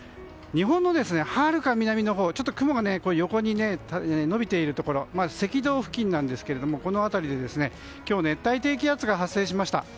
日本のはるか南のほう雲が横に延びているところ赤道付近なんですけどこの辺りで今日熱帯低気圧が発生しました。